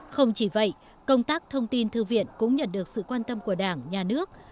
không chỉ vậy công tác thông tin thư viện cũng nhận được sự quan tâm của đảng nhà nước